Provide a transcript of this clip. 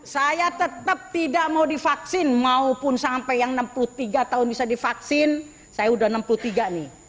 saya tetap tidak mau divaksin maupun sampai yang enam puluh tiga tahun bisa divaksin saya sudah enam puluh tiga nih